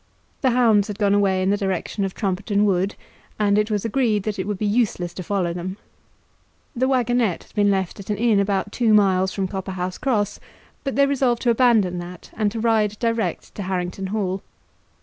The hounds had gone away in the direction of Trumpeton Wood, and it was agreed that it would be useless to follow them. The waggonette had been left at an inn about two miles from Copperhouse Cross, but they resolved to abandon that and to ride direct to Harrington Hall.